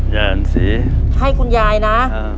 ยายอ่อนศรีให้คุณยายนะครับ